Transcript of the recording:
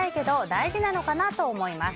大事なのかなと思います。